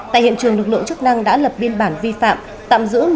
tại hiện trường lực lượng chức năng đã lập biên bản vi phạm